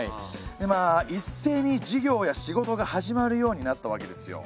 でまあ一斉に授業や仕事が始まるようになったわけですよ。